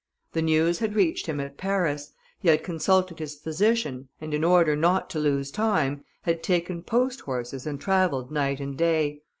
The news had reached him at Paris: he had consulted his physician, and in order not to lose time, had taken post horses and travelled night and day.